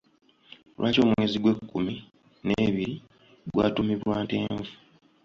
Lwaki omwezi gw'ekkumi n'ebiri gwatuumibwa Ntenvu?